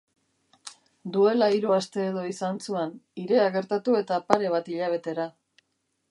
Duela hiru aste edo izan zuan, hirea gertatu eta pare bat hilabetera.